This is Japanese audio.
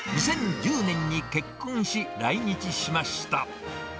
２０１０年に結婚し、来日しました。